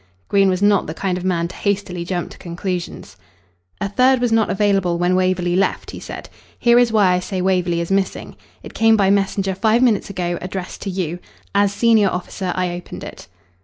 Green was not the kind of man to hastily jump to conclusions. "A third was not available when Waverley left," he said. "Here is why I say Waverley is missing. It came by messenger five minutes ago, addressed to you. As senior officer I opened it."